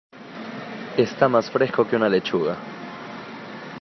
Está más fresco que una lechuga